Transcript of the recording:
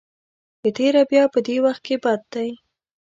په تېره بیا په دې وخت کې بد دی.